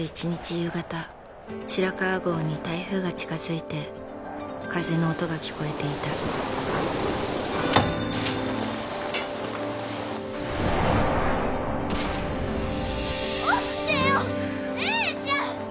夕方白川郷に台風が近づいて風の音が聞こえていた起きてよ姉ちゃん！